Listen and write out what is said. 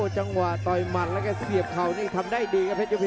จังหวะต่อยหมัดแล้วก็เสียบเข่านี่ทำได้ดีครับเพชรยกพ